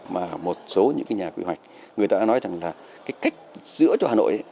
mà một số những nhà quy hoạch người ta đã nói rằng là cách giữa cho hà nội